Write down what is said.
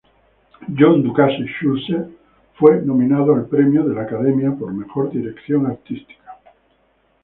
John DuCasse Schulze fue nominado al premio de la Academia por Mejor Dirección Artística.